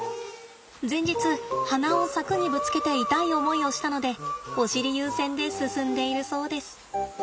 前日鼻を柵にぶつけて痛い思いをしたのでお尻優先で進んでいるそうです。